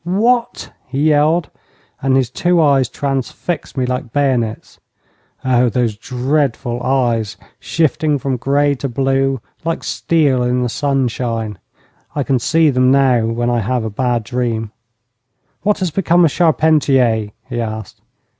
'What!' he yelled, and his two eyes transfixed me like bayonets. Oh, those dreadful eyes, shifting from grey to blue, like steel in the sunshine. I can see them now when I have a bad dream. 'What has become of Charpentier?' he asked.